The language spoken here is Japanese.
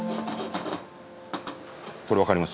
これ分かります？